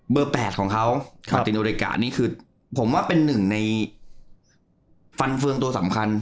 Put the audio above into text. ๘ของเขามาตินอริกานี่คือผมว่าเป็นหนึ่งในฟันเฟืองตัวสำคัญ